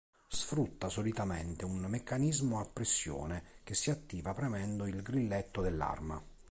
Sfrutta solitamente un meccanismo a pressione che si attiva premendo il grilletto dell'arma.